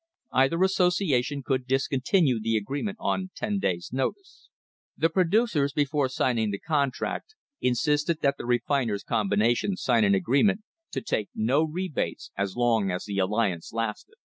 Either association could discontinue the agreement on ten days' notice. The producers, before signing the contract, in sisted that the Refiners' Combination sign an agreement to take no rebates as long as the alliance lasted.